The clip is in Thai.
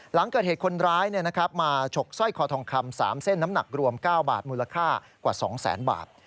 หลังเกิดเหตุคนร้ายมาฉกสร้อยคอทองคำ๓เส้นน้ำหนักรวม๙บาทมูลค่ากว่า๒แสนบาท